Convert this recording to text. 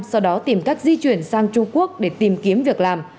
sau đó tìm cách di chuyển sang trung quốc để tìm kiếm việc làm